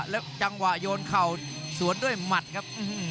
แล้วจังหวะโยนเข่าสวนด้วยหมัดครับ